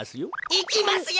いきますよ！